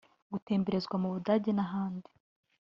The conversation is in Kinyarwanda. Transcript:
gutemberezwa mu Budage n’ahandi